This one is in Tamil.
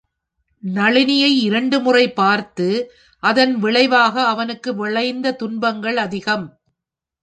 நளினியை இரண்டு முறை பார்த்து, அதன் விளைவாக அவனுக்கு விளைந்த துன்பங்கள் அதிகம்.